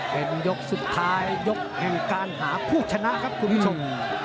เป็นยกสุดท้ายยกแห่งการหาผู้ชนะครับคุณผู้ชม